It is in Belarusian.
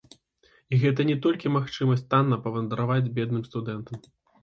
І гэта не толькі магчымасць танна павандраваць бедным студэнтам.